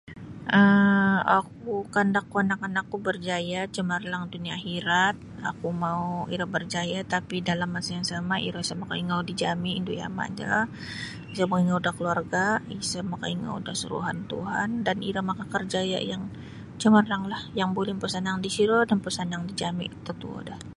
um oku kandakku anak-anakku berjaya' cemerlang dunia' akhirat oku mau iro berjaya' tapi dalam masa yang sama' iro isa' makaingou dijami' indu yama' do isa' makaingou da keluarga' isa makaingou da suruhan Tuhan dan iro makakerjaya yang cemerlanglah yang buli mapasanang disiro dan mapasanang dijami' mututuo do.